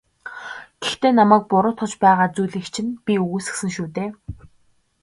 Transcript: Гэхдээ намайг буруутгаж байгаа зүйлийг чинь би үгүйсгэсэн шүү дээ.